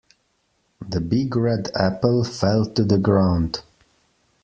The big red apple fell to the ground.